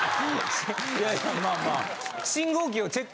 いやいやまあまあ。